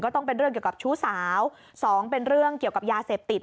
ต้องเป็นเรื่องเกี่ยวกับชู้สาวสองเป็นเรื่องเกี่ยวกับยาเสพติด